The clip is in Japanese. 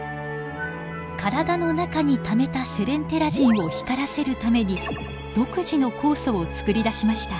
体の中にためたセレンテラジンを光らせるために独自の酵素をつくり出しました。